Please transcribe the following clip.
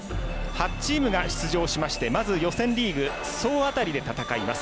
８チームが出場してまず予選リーグ総当たりで戦います。